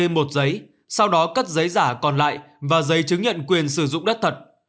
một giấy sau đó cất giấy giả còn lại và giấy chứng nhận quyền sử dụng đất thật